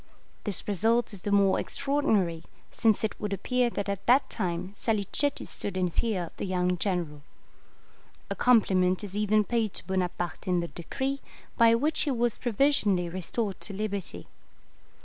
This result is the more extraordinary, since it would appear that at that time Salicetti stood in fear of the young general. A compliment is even paid to Bonaparte in the decree, by which he was provisionally restored to liberty.